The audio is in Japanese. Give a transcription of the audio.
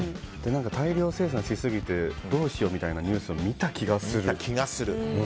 大量生産しすぎてどうしようみたいなニュースを見た気がする。